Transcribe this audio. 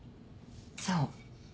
そう。